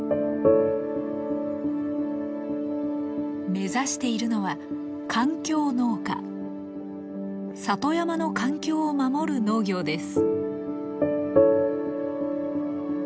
目指しているのは里山の環境を守る農業です。